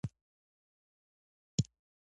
اغیزه: دا معلومات ممکن د لنډمهاله بې ثباتۍ لامل شي؛